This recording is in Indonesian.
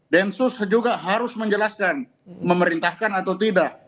densus juga harus menjelaskan memerintahkan atau tidak